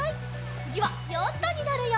つぎはヨットになるよ！